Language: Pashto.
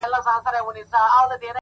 داسي نه كيږي چي اوونـــۍ كې گـــورم;